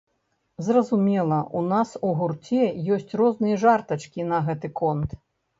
Зразумела, у нас у гурце ёсць розныя жартачкі на гэты конт.